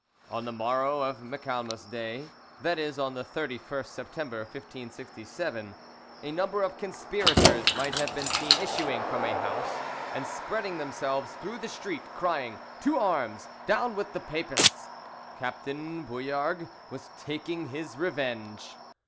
On the morrow of Michaelmas Day—that is, on the 31st September 1567—a number of conspirators might have been seen issuing from a house and spreading themselves through the streets, crying "To arms! Down with the Papists!" Captain Bouillargues was taking his revenge.